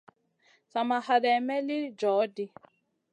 Sa ma haɗeyn may li joh ɗi.